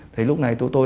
thì lúc này tụi tôi